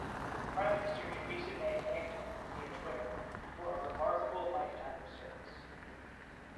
Prime Minister Theresa May thanked him, via Twitter, for "a remarkable lifetime of service".